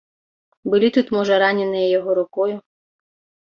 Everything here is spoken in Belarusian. Былі тут, можа, раненыя яго рукою.